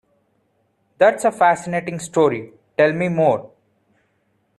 That's a fascinating story, tell me more!.